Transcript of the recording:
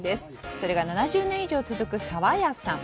それが７０年以上続く沢屋さん。